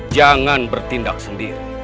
jangan bertindak sendiri